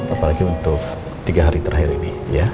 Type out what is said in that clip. apalagi untuk tiga hari terakhir ini